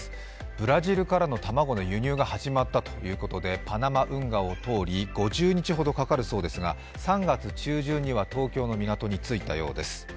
ブラジルからの卵の輸入が始まったということでパナマ運河を通り５０日ほどかかるそうですが３月中旬には東京の港に着いたようです。